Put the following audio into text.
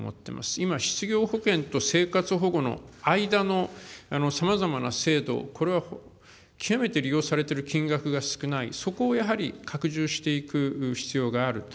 今、失業保険と生活保護の間のさまざまな制度、これは極めて利用されている金額が少ない、そこをやはり拡充していく必要がある。